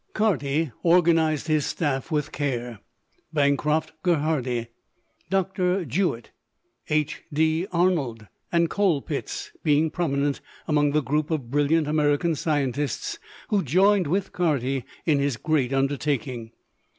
Carty organized his staff with care, Bancroft Gerhardi, Doctor Jewett, H.D. Arnold, and Colpitts being prominent among the group of brilliant American scientists who joined with Carty in his great undertaking.